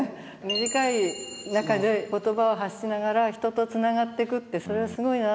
短い中で言葉を発しながら人とつながっていくってそれはすごいなと思って。